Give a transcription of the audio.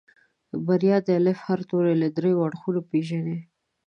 بريا د الفبا هر توری له دريو اړخونو پېژني.